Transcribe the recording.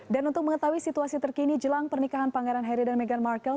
dan untuk mengetahui situasi terkini jelang pernikahan pangeran harry dan meghan markle